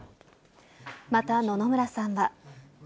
また、野々村さんは。